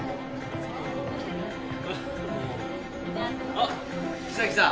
あ来た来た。